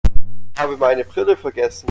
Ich habe meine Brille vergessen.